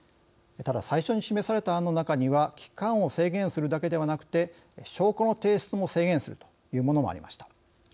ただ、最初に示された案の中には期間を制限するだけではなくて証拠の提出も制限するというものもありました。